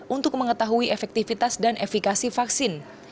untuk mengetahui efektivitas dan efikasi vaksin